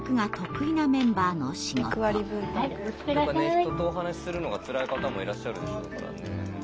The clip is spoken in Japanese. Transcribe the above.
人とお話しするのがつらい方もいらっしゃるでしょうからね。